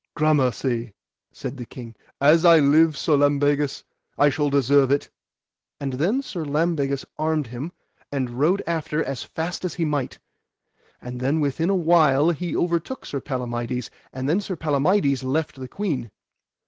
Gramercy, said the king, as I live, Sir Lambegus, I shall deserve it. And then Sir Lambegus armed him, and rode after as fast as he might. And then within a while he overtook Sir Palamides. And then Sir Palamides left the queen.